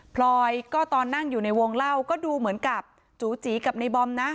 พลอยก็ตอนนั่งอยู่ในวงเล่าก็ดูเหมือนกับจูจีกับในบอมนะ